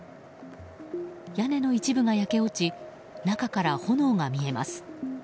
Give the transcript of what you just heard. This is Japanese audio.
屋根の一部が焼け落ち中から炎が見えます。